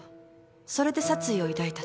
それで殺意を抱いたと？